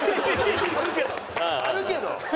あるけど！